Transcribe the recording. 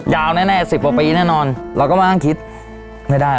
ยาวแน่สิบกว่าปีแน่นอนเราก็มานั่งคิดไม่ได้